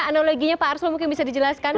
analoginya pak arsul mungkin bisa dijelaskan